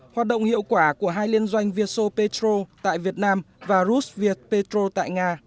hoạt động hiệu quả của hai liên doanh vietso petro tại việt nam và rus viet petro tại nga